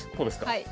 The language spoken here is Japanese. はい。